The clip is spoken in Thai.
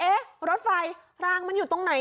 เอ๊ะรถไฟรางมันอยู่ตรงไหน